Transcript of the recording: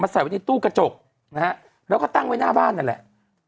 ใส่ไว้ในตู้กระจกนะฮะแล้วก็ตั้งไว้หน้าบ้านนั่นแหละ